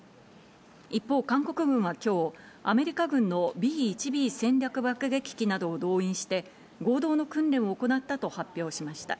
一方、韓国軍はきょう、アメリカ軍のＢ１Ｂ戦略爆撃機などを動員して、合同の訓練を行ったと発表しました。